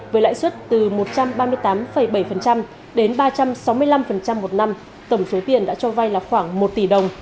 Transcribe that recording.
với lãi suất từ một trăm ba mươi tám bảy đến ba trăm sáu mươi năm một năm tổng số tiền đã cho vay là khoảng một tỷ đồng